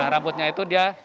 rambutnya itu dia